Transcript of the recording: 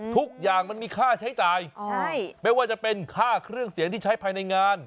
ทุกอย่างมันมีค่าใช้จ่ายไม่ว่าจะเป็นค่าเครื่องเสียงที่ใช้ภายในงาน